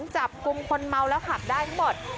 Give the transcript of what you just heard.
จับกลุ่มคนเมาแล้วขับได้ทั้งหมด